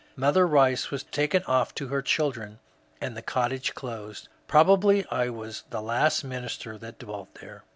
Mother Kice was taken off to her children, and the cottage closed. Probably I was the last minister that dwelt there.